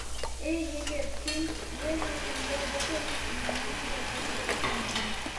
— Эй, егет, һин ер йөҙөндә бөтә нәмәнән дә көслө икәнһең.